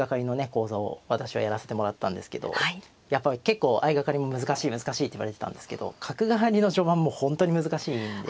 講座を私はやらせてもらったんですけどやっぱり結構相掛かりも難しい難しいっていわれてたんですけど角換わりの序盤も本当に難しいんで。